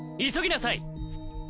急ぎなさい！